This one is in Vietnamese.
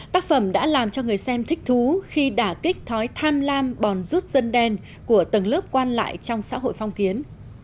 tác phẩm đã làm cho người xem thích thú khi đả kích thói tham lam bòn rút dân đen của tầng lớp quan lại trong xã hội phong kiến